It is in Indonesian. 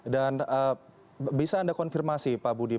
dan bisa anda konfirmasi pak budi